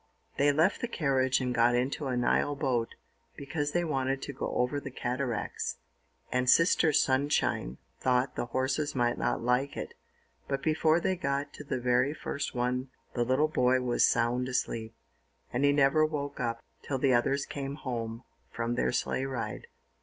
They left the carriage and got into a Nile boat, because they wanted to go over the Cataracts, and Sister Sunshine thought the horses might not like it; but before they got to the very first one the little boy was sound asleep, and he never woke up till the others came home from their sleigh ride.